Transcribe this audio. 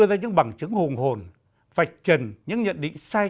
xin chào và hẹn gặp lại